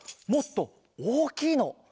もっとおおきいの。